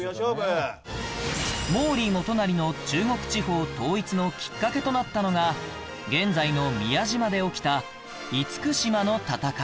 毛利元就の中国地方統一のきっかけとなったのが現在の宮島で起きた厳島の戦い